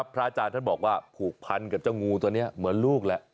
บทพราจารย์บอกผูกพันกับเจ้างูทัวร์เหมือนลูก